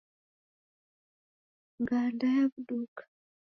Nganda yawuduka